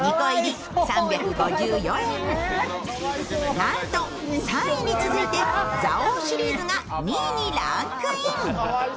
なんと３位に続いて蔵王シリーズが２位にランクイン。